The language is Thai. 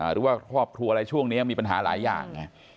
หรือว่าครอบครัวอะไรช่วงนี้มีปัญหาหลายอย่างไง